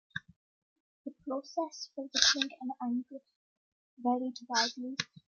The process for becoming an angakkuq varied widely.